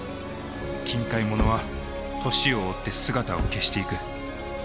近海ものは年を追って姿を消していく。